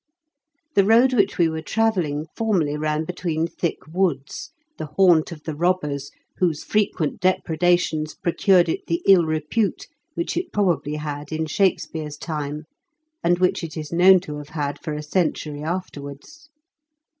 The road which we were travelling formerly ran between thick woods, the haunt of the robbers whose frequent depredations procured it the ill repute which it probably had in Shakespeare's time, and which it is known to have had for a century afterwards.